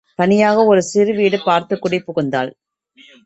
தனியாக ஒரு சிறு வீடு பார்த்துக் குடிபுகுந்தாள்.